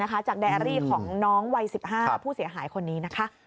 แดอารี่ของน้องวัย๑๕ผู้เสียหายคนนี้นะคะ